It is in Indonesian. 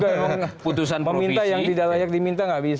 jangan jawa juga dong meminta yang tidak layak diminta enggak bisa